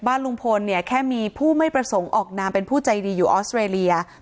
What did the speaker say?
ลุงพลเนี่ยแค่มีผู้ไม่ประสงค์ออกนามเป็นผู้ใจดีอยู่ออสเตรเลีย